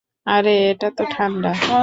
আরে, এটা তো ঠান্ডা!